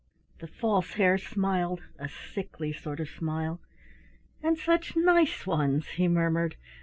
The False Hare smiled a sickly sort of smile. "And such nice ones," he murmured.